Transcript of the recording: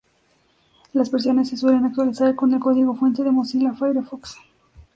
Las versiones se suelen actualizar con el código fuente de Mozilla Firefox.